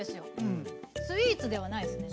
スイーツではないですよね。